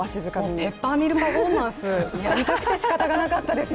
もうペッパーミルパフォーマンスやりたくてしかたがなかったです。